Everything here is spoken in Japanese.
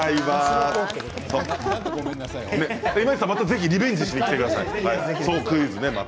ぜひリベンジしに来てください。